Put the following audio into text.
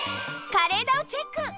かれえだをチェック！